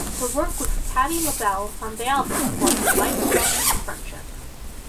Her work with Patti LaBelle on the album formed a lifelong friendship.